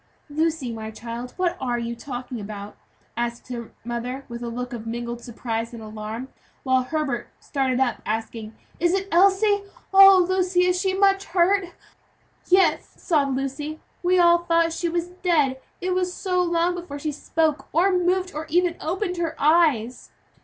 "Lucy, my child, what are you talking about?" asked her mother with a look of mingled surprise and alarm, while Herbert started up asking, "Is it Elsie? Oh! Lucy, is she much hurt?" "Yes," sobbed Lucy, "we all thought she was dead, it was so long before she spoke, or moved, or even opened her eyes."